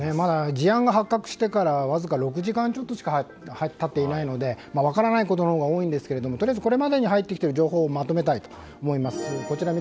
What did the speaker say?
事案が発覚してからわずか６時間ちょっとしか経っていないので分からないことのほうが多いんですけれどもとりあえずこれまでに入ってきた情報をまとめたいと思います。